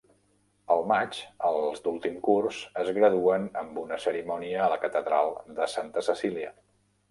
Al maig, els d'últim curs es graduen amb una cerimònia a la catedral de Santa Cecilia.